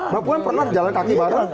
papua pernah jalan kaki bareng